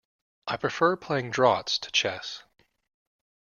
I prefer playing draughts to chess